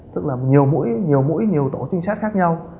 tức là nhiều mũi nhiều tổ trinh sát khác nhau